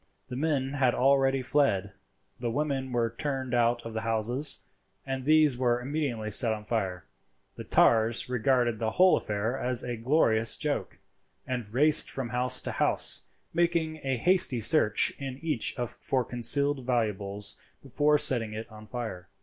The men had already fled; the women were turned out of the houses, and these were immediately set on fire. The tars regarded the whole affair as a glorious joke, and raced from house to house, making a hasty search in each for concealed valuables before setting it on fire.